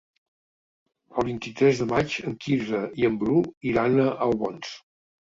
El vint-i-tres de maig en Quirze i en Bru iran a Albons.